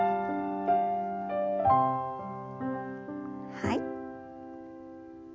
はい。